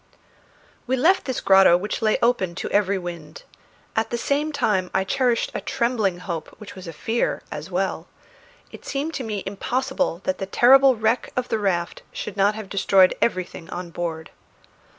We left this grotto which lay open to every wind. At the same time I cherished a trembling hope which was a fear as well. It seemed to me impossible that the terrible wreck of the raft should not have destroyed everything on board.